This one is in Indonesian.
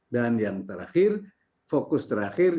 dan yang terakhir fokus terakhir